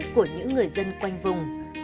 của những người dân quanh vùng